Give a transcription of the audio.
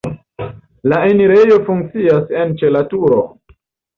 La enirejo funkcias en ĉe la turo.